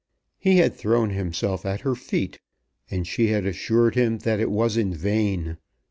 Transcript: He had thrown himself at her feet, and she had assured him that it was in vain.